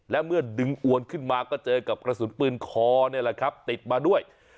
และเมื่อดึงอวนขึ้นมาก็เจอกับกระสุนปืนคอนี่แหละครับติดมาด้วย